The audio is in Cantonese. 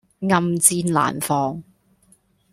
暗箭難防